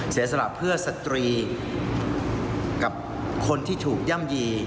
เสียสละเพื่อสตรีกับคนที่ถูกย่ำยี